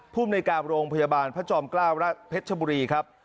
ผู้ในกราบโรงพยาบาลพระจอมกล้าวรัฐเพชรบุรีนะครับ